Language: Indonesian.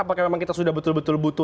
apakah memang kita sudah betul betul butuh